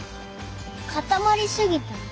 かたまりすぎた。